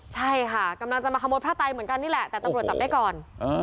ใช่ค่ะกำลังจะมาขโมยพระไตเหมือนกันนี่แหละแต่ตำรวจจับได้ก่อน